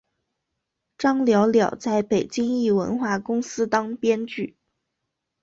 张寥寥在北京一文化公司当编剧。